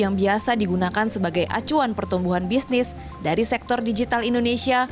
yang biasa digunakan sebagai acuan pertumbuhan bisnis dari sektor digital indonesia